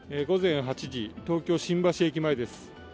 午前８時、東京・新橋駅前です。